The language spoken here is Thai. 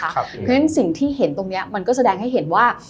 เพราะฉะนั้นสิ่งที่เห็นตรงนี้มันก็แสดงให้เห็นว่า